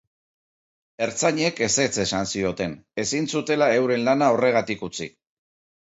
Ertzainek ezetz esan zioten, ezin zutela euren lana horregatik utzi.